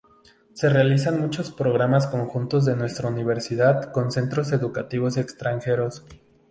Se realizan muchos programas conjuntos de nuestra universidad con centros educativos extranjeros.